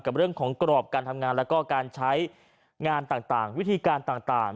กับเรื่องของกรอบการทำงานแล้วก็การใช้งานต่างวิธีการต่าง